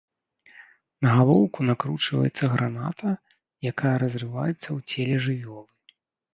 На галоўку накручваецца граната, якая разрываецца у целе жывёлы.